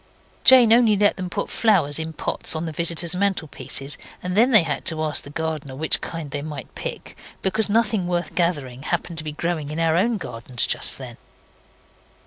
Jane only let them put flowers in the pots on the visitors' mantelpieces, and then they had to ask the gardener which kind they might pick, because nothing worth gathering happened to be growing in our own gardens just then.